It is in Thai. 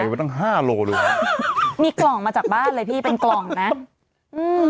มีก็ส่งแต่งห้าโลดูมีกล่องมาจากบ้านเลยพี่เป็นกล่องน่ะ